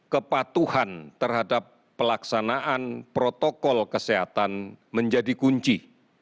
kepatuhan terhadap pelaksanaan protokol kesehatan menjadi kunci